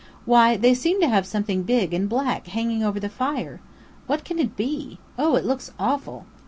Why, they seem to have something big and black hanging over the fire. What can it be? Oh, it looks awful!"